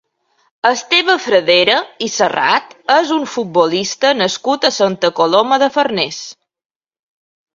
Esteve Fradera i Serrat és un futbolista nascut a Santa Coloma de Farners.